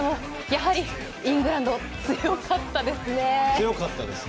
やはりイングランド強かったです。